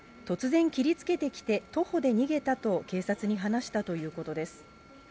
突然切りつけてきて、徒歩で逃げたと、警察に話したということです。